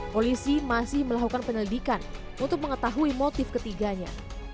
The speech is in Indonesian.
polisi masih melakukan penyelidikan untuk mengetahui motif ketiganya